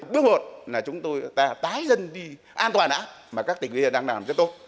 bước một là chúng ta tái dân đi an toàn đã mà các tỉnh đang làm cho tốt